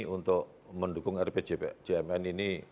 untuk mendukung rpjpn ini